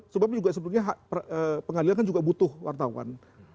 sebab juga sebetulnya pengadilan kan juga butuh wartawan